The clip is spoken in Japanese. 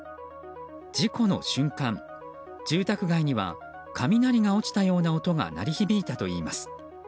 事故の瞬間、住宅街には雷が落ちたような音が鳴り響いたといいます。